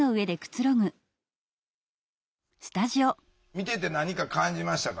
見てて何か感じましたか？